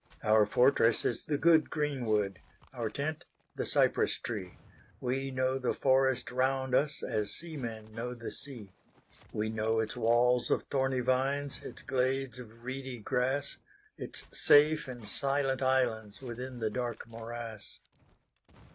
Our fortress is the good greenwood, Our tent the cypress tree; We know the forest round us, As seamen know the sea. We know its walls of thorny vines, Its glades of reedy grass, Its safe and silent islandsWithin the dark morass.